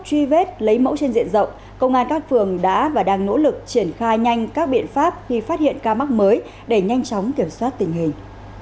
truy vết lấy mẫu trên diện rộng công an các phường đã và đang nỗ lực triển khai nhanh các biện pháp khi phát hiện ca mắc mới để nhanh chóng kiểm soát tình hình